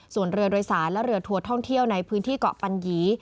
ส่วนเรือโดยสารและเรือทัวร์ท่องเที่ยวในพื้นที่เกาะปัญหยี